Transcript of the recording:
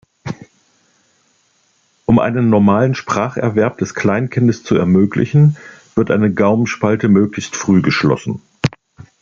Um einen normalen Spracherwerb des Kleinkindes zu ermöglichen, wird eine Gaumenspalte möglichst früh geschlossen.